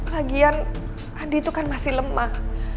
lagian adi itu kan masih lemah